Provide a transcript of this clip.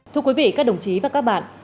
thưa quý vị các đồng chí và các bạn